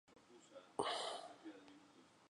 El vehículo se vende tanto en sedán como en hatchback.